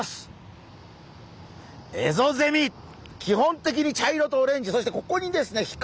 基本的に茶色とオレンジそしてここにですね